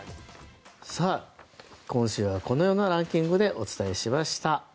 今週はこのようなランキングでお伝えしました。